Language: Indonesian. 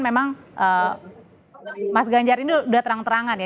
memang mas ganjar ini sudah terang terangan ya